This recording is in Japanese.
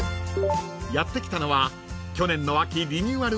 ［やって来たのは去年の秋リニューアル